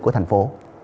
của thành phố